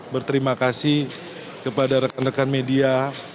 berterima kasih kepada rekan rekan media